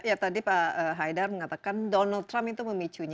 ya tadi pak haidar mengatakan donald trump itu memicunya